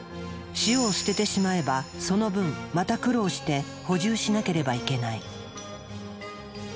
塩を捨ててしまえばその分また苦労して補充しなければいけない。